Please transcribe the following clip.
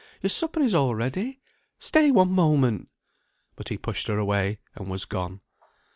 Your supper is all ready. Stay one moment!" But he pushed her away, and was gone.